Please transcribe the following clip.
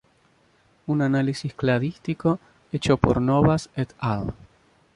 Un análisis cladístico hecho por Novas "et al".